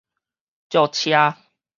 借車